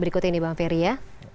berikut ini bang ferry ya